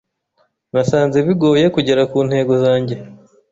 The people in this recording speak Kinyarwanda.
Nasanze bigoye kugera kuntego zanjye.